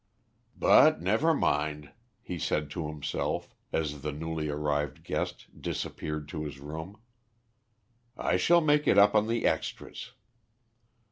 "But never mind," he said to himself as the newly arrived guest disappeared to his room, "I shall make it up on the extras."